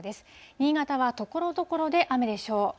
新潟はところどころで雨でしょう。